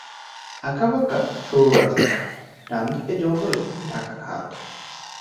আঁকাবাঁকা সরু রাস্তা, ডান দিকে জঙ্গলে ঢাকা খাদ।